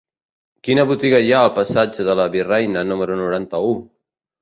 Quina botiga hi ha al passatge de la Virreina número noranta-u?